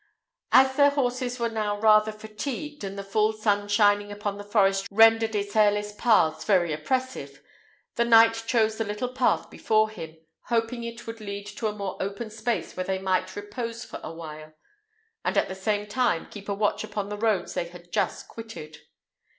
As their horses were now rather fatigued, and the full sun shining upon the forest rendered its airless paths very oppressive, the knight chose the little path before him, hoping it would lead to a more open space where they might repose for a while, and at the same time keep a watch upon the roads they had just quitted.